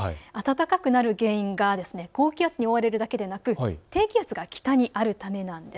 暖かくなる原因は高気圧に覆われるだけではなく低気圧が北にあるためなんです。